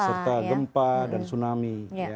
serta gempa dan tsunami